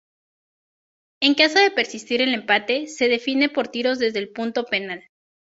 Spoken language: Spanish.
En caso de persistir el empate, se define por tiros desde el punto penal.